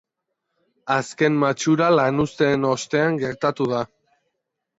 Azken matxura lanuzteen ostean gertatu da.